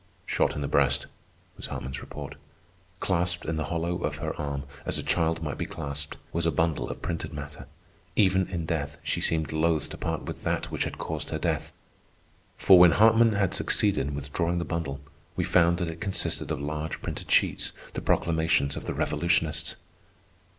"Shot in the breast," was Hartman's report. Clasped in the hollow of her arm, as a child might be clasped, was a bundle of printed matter. Even in death she seemed loath to part with that which had caused her death; for when Hartman had succeeded in withdrawing the bundle, we found that it consisted of large printed sheets, the proclamations of the revolutionists.